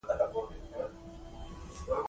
چې ملګري مو وو که یا، دا ډېره مهمه وه.